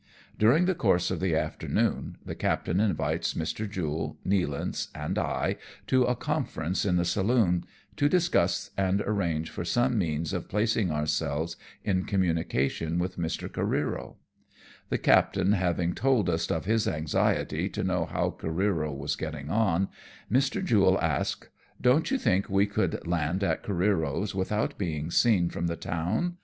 During the course of the afternoon, the captain invites Mr. Jule, Nealance and I to a conference in the saloon, to discuss and arrange for some means of placing ourselves in communication with Mr. Careero. The captain having told us of his anxiety to know NEALANCE AND T VISIT THE SHORE. 147 how Oareero was getting ou, Mr. Jule asks :" Don't you think we could land at Oareero's without being seen from the town ?